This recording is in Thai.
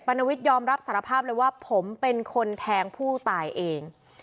ณวิทยอมรับสารภาพเลยว่าผมเป็นคนแทงผู้ตายเอง